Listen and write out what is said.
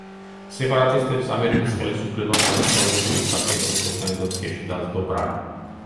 სეპარატისტებს ამერიკის ხელისუფლებამ დანაშაულებრივი საქმიანობის ორგანიზაციაში დასდო ბრალი.